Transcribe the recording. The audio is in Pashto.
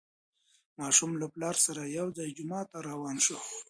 ماشوم له پلار سره یو ځای جومات ته روان شو